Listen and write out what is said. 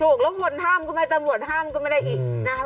ถูกแล้วคนห้ามก็ไม่ตำรวจห้ามก็ไม่ได้อีกนะครับ